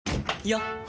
よっ！